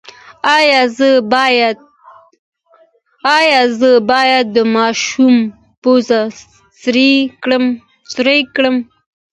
ایا زه باید د ماشوم پوزه سورۍ کړم؟